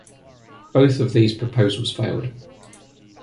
Both of these proposals failed.